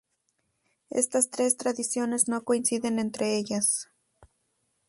Estas tres tradiciones no coinciden entre ellas.